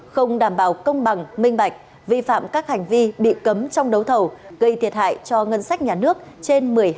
không đảm bảo công bằng minh bạch vi phạm các hành vi bị cấm trong đấu thầu gây thiệt hại cho ngân sách nhà nước trên một mươi hai